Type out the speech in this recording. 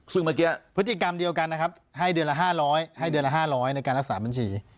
ซึ่งเมื่อกี้พฤติกรรมเดียวกันนะครับให้เดือนละ๕๐๐ในการรักษาบัญชี